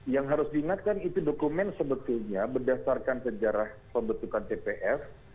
yang harus diingatkan itu dokumen sebetulnya berdasarkan sejarah pembentukan tpf